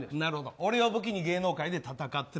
俺を武器に芸能界で戦っている。